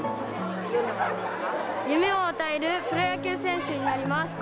夢を与えるプロ野球選手になります。